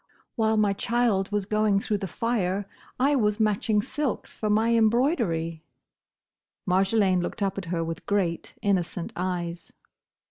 "While my child was going through the fire, I was matching silks for my embroidery!" Marjolaine looked up at her with great, innocent eyes.